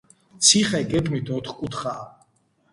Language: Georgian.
ციხე გეგმით ოთხკუთხაა.